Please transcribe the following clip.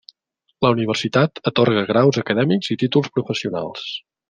La universitat atorga graus acadèmics i títols professionals.